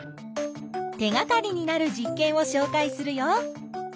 手がかりになる実験をしょうかいするよ。